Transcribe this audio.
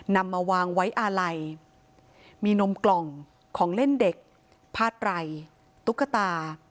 นำมาวางไว้อาลัยมีนมกล่องของเล่นเด็กผ้าไตรตุ๊กตา